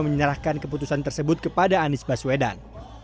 menyerahkan keputusan tersebut kepada anies baswedan